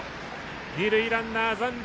二塁ランナー、残塁。